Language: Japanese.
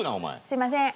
すいません。